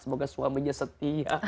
semoga suaminya setia